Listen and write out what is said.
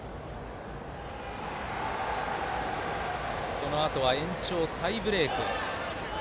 このあとは延長タイブレーク。